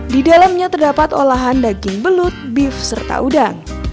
di dalamnya terdapat olahan daging belut beef serta udang